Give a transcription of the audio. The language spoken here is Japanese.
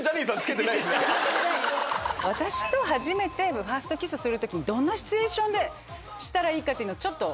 私と初めてファーストキスする時にどんなシチュエーションでしたらいいかっていうのをちょっと。